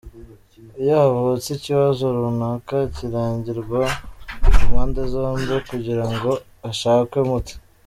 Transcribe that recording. Iyo havutse ikibazo runaka kiraganirwa ku mpande zombi kugira ngo hashakwe umuti .